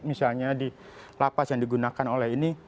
misalnya di lapas yang digunakan oleh ini